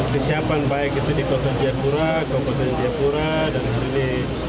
kesiapan baik itu di kota tiapura kota tiapura dan di sini